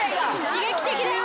刺激的だよ。